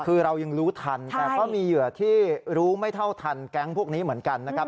คือเรายังรู้ทันแต่ก็มีเหยื่อที่รู้ไม่เท่าทันแก๊งพวกนี้เหมือนกันนะครับ